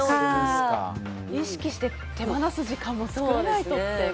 意識して手放す時間も作らないとって。